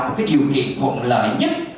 một điều kiện thuận lợi nhất